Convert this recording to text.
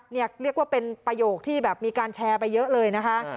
เรียกว่าเป็นประโยคที่แบบมีการแชร์ไปเยอะเลยนะคะ